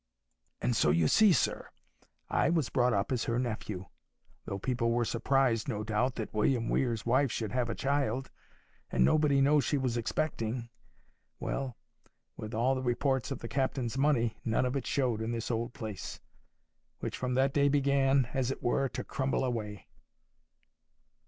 And so you see, sir, I was brought up as her nephew, though people were surprised, no doubt, that William Weir's wife should have a child, and nobody know she was expecting.—Well, with all the reports of the captain's money, none of it showed in this old place, which from that day began, as it were, to crumble away.